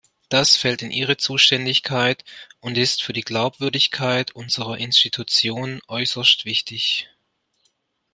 Das fällt in Ihre Zuständigkeit und ist für die Glaubwürdigkeit unserer Institutionen äußerst wichtig.